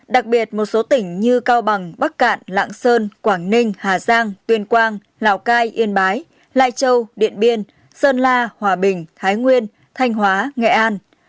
đặc biệt một số tỉnh như cao bằng bắc cạn lạng sơn quảng ninh hà giang tuyên quang lào cai yên bái lai châu điện biên sơn la hòa bình thái nguyên thanh hóa nghệ an